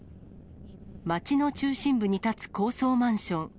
町の中心部に立つ高層マンション。